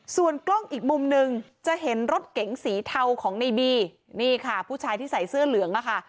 ส่วนกล้องอีกมุมหนึ่งจะเห็นรถเก๋งสีเทาของในบีนี่ค่ะผู้ชายที่ใส่เสื้อเหลืองอะค่ะ